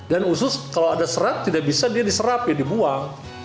dan usus kalau ada serat tidak bisa dia diserapi dibuang